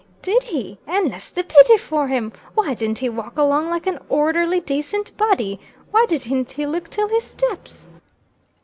"Did he! And less the pity for him. Why did'nt he walk along like an orderly, dacent body? Why didn't he look 'till his steps?"